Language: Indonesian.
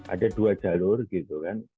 ada dua jalur gitu kan